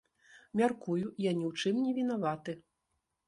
Мяркую, я ні ў чым не вінаваты.